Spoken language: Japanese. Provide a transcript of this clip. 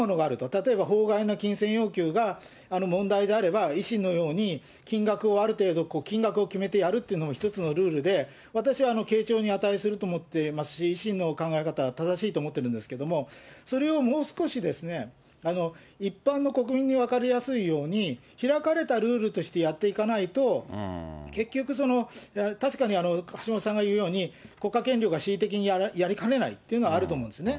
例えば法外な金銭要求が問題であれば、維新のように、金額をある程度、金額を決めてやるっていうのも一つのルールで、私は傾聴に値すると思ってますし、維新の考え方は正しいと思っているんですけれども、それをもう少し、一般の国民に分かりやすいように、開かれたルールとしてやっていかないと、結局その確かに橋下さんが言うように、国家権力が恣意的にやりかねないっていうのはあると思うんですね。